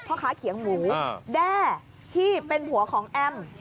พ่อค้าเขียงหมูแด้ที่เป็นผัวของแอม